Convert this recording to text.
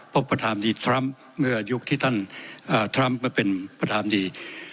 ประธานดีทรัมป์เมื่อยุคที่ท่านทรัมป์มาเป็นประธานดี